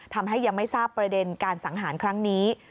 ทำให้ยังไม่ทราบประเด็นการสังหารครั้งนี้